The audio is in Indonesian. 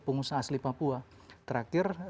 pengusaha asli papua terakhir